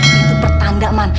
itu pertanda man